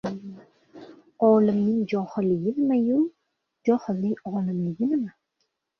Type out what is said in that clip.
Olimning johilligi nima-yu, johilning olimligi nima?